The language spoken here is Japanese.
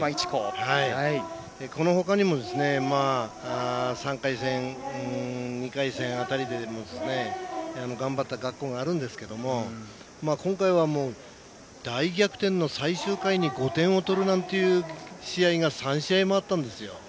このほかにも、２回戦辺りでも頑張った学校があるんですけども今回は、大逆転の最終回に５点を取るなんていう試合が３試合もあったんですよ。